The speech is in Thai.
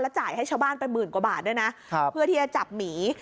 จ่ายให้ชาวบ้านไปหมื่นกว่าบาทด้วยนะเพื่อที่จะจับหมี